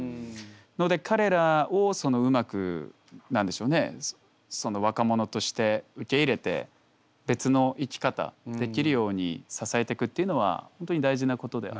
ので彼らをうまく何でしょうね若者として受け入れて別の生き方できるように支えてくっていうのは本当に大事なことで。